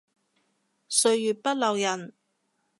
歲月不留人